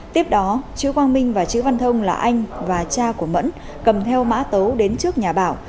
tiếp đó chữ quang minh và chữ văn thông là anh và cha của mẫn cầm theo mã tấu đến trước nhà bảo